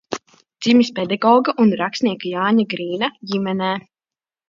Dzimis pedagoga un rakstnieka Jāņa Grīna ģimenē.